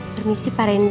permisi pak rendy